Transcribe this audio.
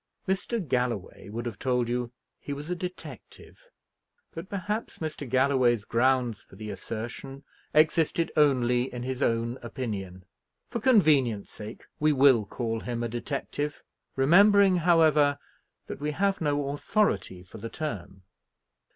Mr. Galloway would have told you he was a detective; but perhaps Mr. Galloway's grounds for the assertion existed only in his own opinion. For convenience sake we will call him a detective; remembering, however, that we have no authority for the term.